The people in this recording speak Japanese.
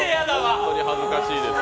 本当に恥ずかしいですね。